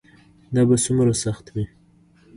دا به څومره سخت وي.